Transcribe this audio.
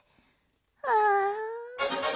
ああ。